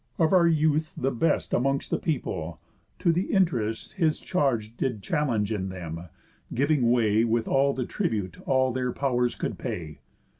Of our youth the best Amongst the people, to the interest His charge did challenge in them, giving way, With all the tribute all their pow'rs could pay.